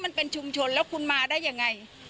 เกิดว่าจะต้องมาตั้งโรงพยาบาลสนามตรงนี้